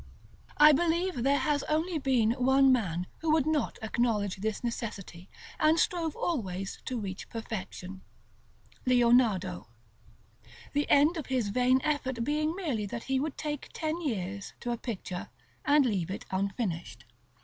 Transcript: I believe there has only been one man who would not acknowledge this necessity, and strove always to reach perfection, Leonardo; the end of his vain effort being merely that he would take ten years to a picture, and leave it unfinished.